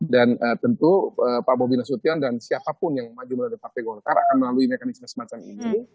dan tentu pak bobi nasution dan siapapun yang maju melalui partai golkar akan melalui mekanisme semacam ini